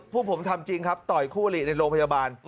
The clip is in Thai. พวกผมทำจริงครับต่อยคู่อลิในโรงพยาบาล